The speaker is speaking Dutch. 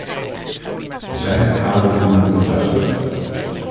Zijn oude doelen bevestigd?